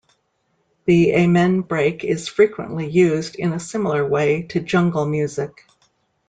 The amen break is frequently used in a similar way to jungle music.